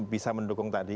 bisa mendukung tadi